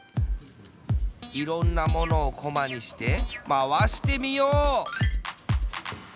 いろんなものをこまにしてまわしてみよう！